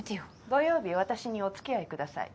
土曜日私にお付き合いください。